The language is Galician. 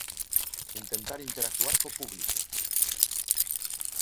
Intentar interactuar co público...